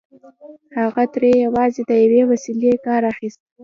هغه ترې یوازې د یوې وسيلې کار اخيست